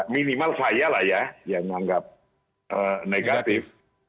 minimal saya lah ya yang menganggap negatif